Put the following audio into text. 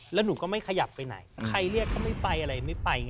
แล้วหนูก็ไม่ขยับไปไหนใครเรียกก็ไม่ไปอะไรไม่ไป